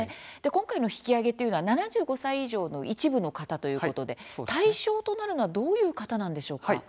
今回の引き上げというのは７５歳以上の一部の方ということで、対象となるのはどういう方なんでしょうか？